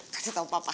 kasih tau papa